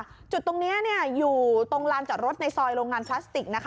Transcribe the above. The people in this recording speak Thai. ใช่ค่ะจุดตรงนี้อยู่ตรงรานจอดรถในซอยโรงงานพลาสติก